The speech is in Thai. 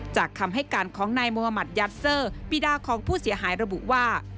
คำให้การของนายมุธมัติยัดเซอร์ปีดาของผู้เสียหายระบุว่า